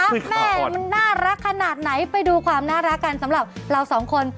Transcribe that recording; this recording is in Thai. แม่มันน่ารักขนาดไหนไปดูความน่ารักกันสำหรับเราสองคน